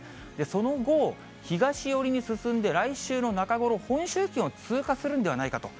その後、東寄りに進んで来週の中頃、本州付近を通過するんではないかと。